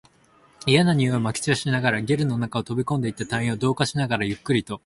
嫌な臭いを撒き散らしながら、ゲルの中に飛び込んでいった隊員を同化しながら、ゆっくりと